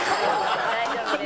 大丈夫です。